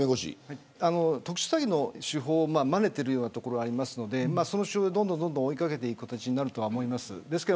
特殊詐欺の手法をまねているところがありますのでそれを、どんどん追いかけていく形になると思います。